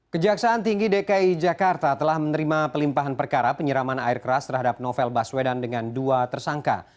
kejaksaan tinggi dki jakarta telah menerima pelimpahan perkara penyiraman air keras terhadap novel baswedan dengan dua tersangka